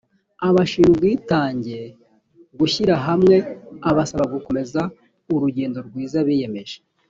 abashima ubwitange gushyira hamwe abasaba gukomeza urugendo rwiza biyemeje